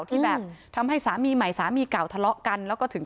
เลยหรือเปล่าที่แบบทำให้สามีใหม่สามีกล่าวทะเลาะกันแล้วก็ถึง